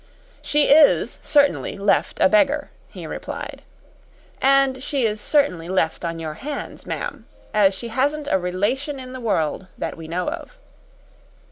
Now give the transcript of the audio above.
"She is certainly left a beggar," he replied. "And she is certainly left on your hands, ma'am as she hasn't a relation in the world that we know of."